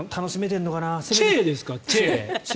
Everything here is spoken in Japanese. チェーですか。